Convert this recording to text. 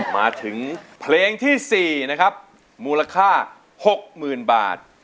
มาถึงเพลงที่สี่มูลค่าหกหมื่นบาท